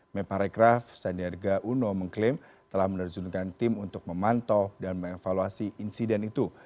meparekraf sandiaga uno mengklaim telah menerjunkan tim untuk memantau dan mengevaluasi insiden itu